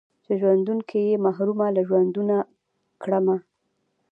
چې په ژوندون کښې يې محرومه له ژوندونه کړمه